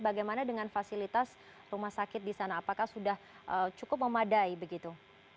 bagaimana dengan fasilitas rumah sakit di sana apakah sudah cukup memadai begitu